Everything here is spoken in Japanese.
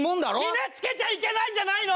決めつけちゃいけないんじゃないの！？